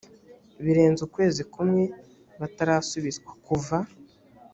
birenze ukwezi kumwe batarasubizwa kuva